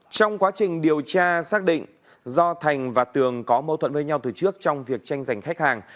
trong quá trình điều tra xác định do thành và tường có mâu thuẫn với nhau từ trước trong việc tranh giành khách hàng